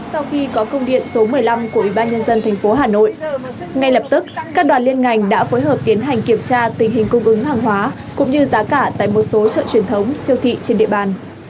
sau khi có công điện số một mươi năm của ủy ban nhân dân tp hà nội ngay lập tức các đoàn liên ngành đã phối hợp tiến hành kiểm tra tình hình cung ứng hàng hóa cũng như giá cả tại một số chợ truyền thống siêu thị trên địa bàn